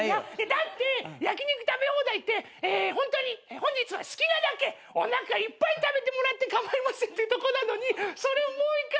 だって焼き肉食べ放題ってホントに本日は好きなだけおなかいっぱい食べてもらって構いませんっていうとこなのにそれをもう一回。